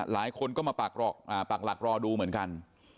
หลายคนก็มาปากหลักรอดูเหมือนกัน